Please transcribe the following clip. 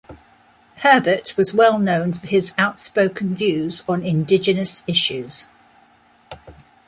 Herbert was well known for his outspoken views on indigenous issues.